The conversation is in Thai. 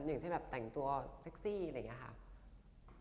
อย่างที่แบบแต่งตัวเซ็กซี่อะไรอย่างนี้ค่ะ